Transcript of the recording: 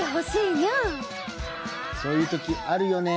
そういう時あるよね。